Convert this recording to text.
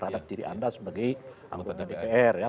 jadi anda sebagai anggota dpr ya